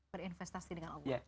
berinvestasi dengan allah